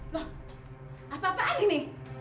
wah apa apaan ini